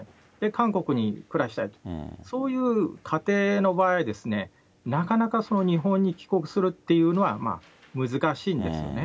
韓国に暮らしたい、そういう家庭の場合、なかなか日本に帰国するというのは難しいんですよね。